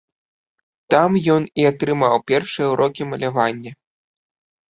Там ён і атрымаў першыя ўрокі малявання.